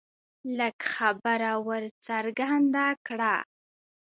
لږ خبره ور څرګنده کړه